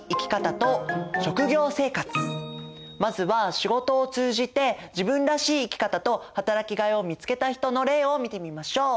まずは仕事を通じて自分らしい生き方と働きがいを見つけた人の例を見てみましょう。